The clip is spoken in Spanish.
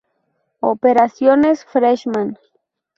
Operación Freshman.